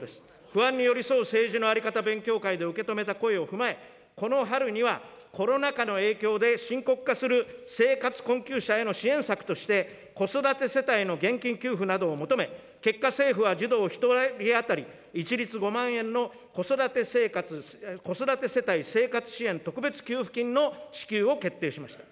不安に寄り添う政治のあり方勉強会で受け止めた声を踏まえ、この春にはコロナ禍の影響で深刻化する生活困窮者への支援策として、子育て世帯の現金給付などを求め、結果、政府は、児童１人当たり一律５万円の子育て世帯生活支援特別給付金の支給を決定しました。